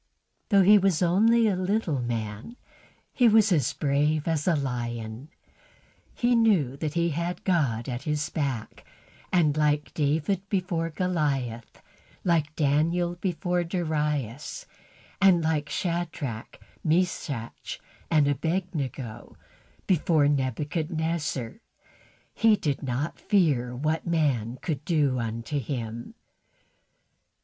Though he was only a little man, he was as brave as a lion; he knew he had God at his back, and like David before Goliath, like Daniel before Darius, and like Shadrach, Meshach, and Abednego before Nebuchadnezzar, he did not fear what man could do unto him.